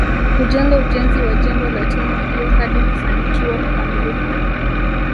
kujenga ujenzi wa jengo la timu hiyo hadi kufanikiwa kukamilika